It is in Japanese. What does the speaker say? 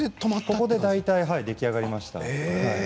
ここで大体出来上がりました。